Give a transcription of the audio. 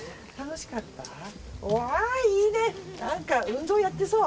何か運動やってそう。